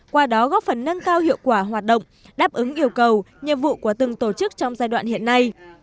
qua đó góp phần nâng cao hiệu quả hoạt động đáp ứng yêu cầu nhiệm vụ của từng tổ chức trong giai đoạn hiện nay